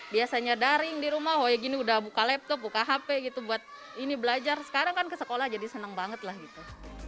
biasanya daring di rumah oh ya gini udah buka laptop buka hp gitu buat ini belajar sekarang kan ke sekolah jadi senang banget lah gitu